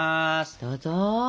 どうぞ。